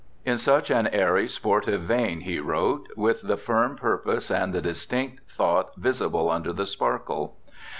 In such an airy, sportive vein he wrote, with the firm purpose and the distinct thought visible under the sparkle.